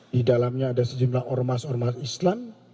di dalamnya ada sejumlah ormas ormas islam